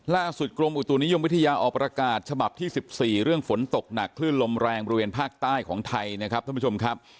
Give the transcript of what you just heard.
กรมอุตุนิยมวิทยาออกประกาศฉบับที่๑๔เรื่องฝนตกหนักคลื่นลมแรงบริเวณภาคใต้ของไทยนะครับท่านผู้ชมครับ